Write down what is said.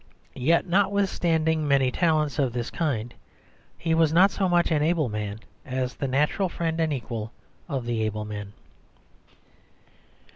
Yet, notwithstanding many talents of this kind, he was not so much an able man as the natural friend and equal of able men.